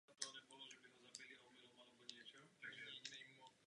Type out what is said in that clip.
V komiksu je Andrea jedna z přeživších ze skupiny v Atlantě.